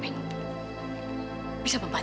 tidak ada foto